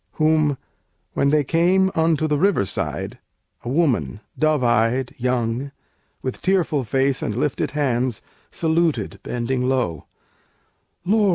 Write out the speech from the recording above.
Whom, when they came unto the river side, A woman dove eyed, young, with tearful face And lifted hands saluted, bending low: "Lord!